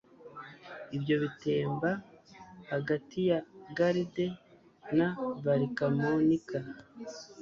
ibyo bitemba hagati ya Garde na Valcamonica